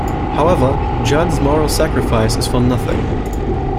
However, Judd's moral sacrifice is for nothing.